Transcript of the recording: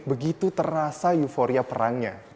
begitu terasa euforia perangnya